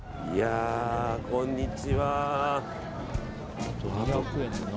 こんにちは。